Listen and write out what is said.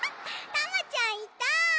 タマちゃんいた！